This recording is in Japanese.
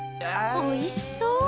おいしそう。